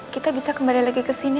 kita bisa kembali lagi kesini